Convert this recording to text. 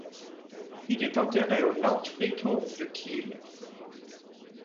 Il est enterré au Nordfriedhof de Kiel.